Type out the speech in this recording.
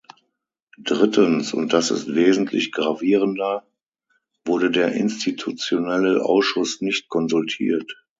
Drittens und das ist wesentlich gravierender wurde der Institutionelle Ausschuss nicht konsultiert.